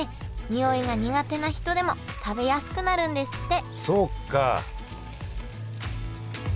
においが苦手な人でも食べやすくなるんですって